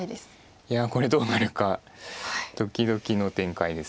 いやこれどうなるかドキドキの展開です。